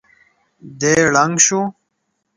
دی ړنګ شو.